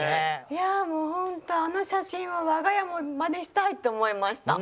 いやもうホントあの写真はわがやもまねしたいと思いました。